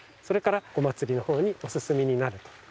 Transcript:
それからお祀りのほうにお進みになると。